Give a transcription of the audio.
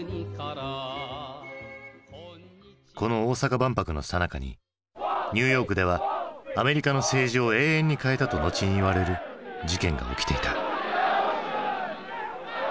この大阪万博のさなかにニューヨークでは「アメリカの政治を永遠に変えた」と後にいわれる事件が起きていた。